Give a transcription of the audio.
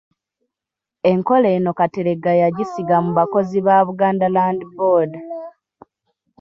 Enkola eno Kateregga yagisiga mu bakozi ba Buganda Land Board.